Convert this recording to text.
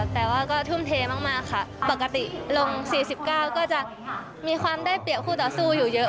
แต่ว่าก็ทุ่มเทมากค่ะปกติลง๔๙ก็จะมีความได้เปรียบคู่ต่อสู้อยู่เยอะ